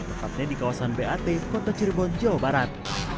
tepatnya di kawasan bat kota cirebon jawa barat